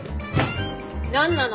何なの？